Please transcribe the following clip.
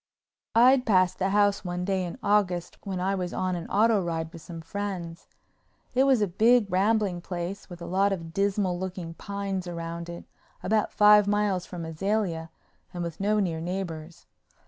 I'd passed the house one day in August when I was on an auto ride with some friends. It was a big, rambling place with a lot of dismal looking pines around it, about five miles from Azalea and with no near neighbors.